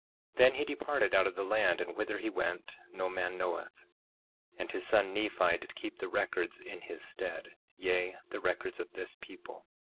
1:3 Then he departed out of the land, and whither he went, no man knoweth; and his son Nephi did keep the records in his stead, yea, the record of this people.